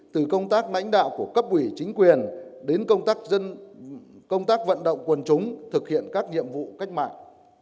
từ công tác lãnh đạo của cấp ủy chính quyền đến công tác vận động quần chúng thực hiện các nhiệm vụ cách mạng